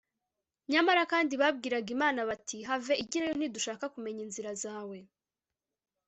nyamara kandi babwiraga imana bati have igirayo, ntidushaka kumenya inzira zawe